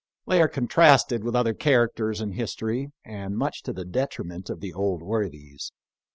They are contrasted with other characters in history, and much to the detriment of the old worthies.